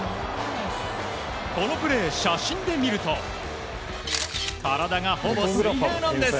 このプレー、写真で見ると体がほぼ水平なんです。